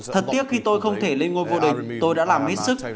thật tiếc khi tôi không thể lên ngôi vô địch tôi đã làm hết sức